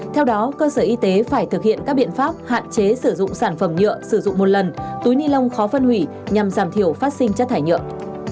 theo đó cơ sở y tế phải thực hiện các biện pháp hạn chế sử dụng sản phẩm nhựa sử dụng một lần túi ni lông khó phân hủy nhằm giảm thiểu phát sinh chất thải nhựa